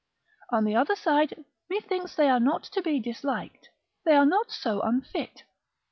On the other side methinks they are not to be disliked, they are not so unfit.